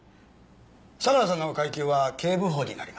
相良さんの階級は警部補になります。